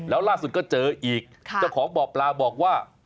แล้วล่าสุดก็เจออีกเจ้าของบ่อปลาบอกว่า